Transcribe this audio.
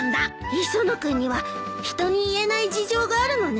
磯野君には人に言えない事情があるのね。